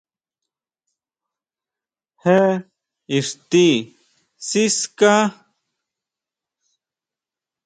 ¿ Jé íxti siská?